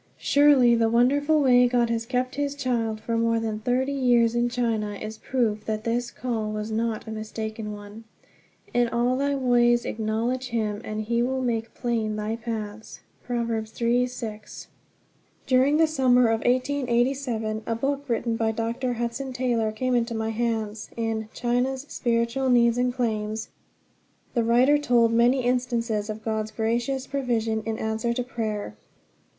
Surely the wonderful way God has kept his child for more than thirty years in China is proof that this "call" was not a mistaken one. "In all thy ways acknowledge him, and he will make plain thy paths" (Prov. 3: 6, marg.). During the summer of 1887 a book written by Dr. Hudson Taylor came into my hands. In "China's Spiritual Needs and Claims" the writer told many instances of God's gracious provision in answer to prayer.